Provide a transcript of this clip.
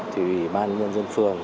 thì ủy ban nhân dân phường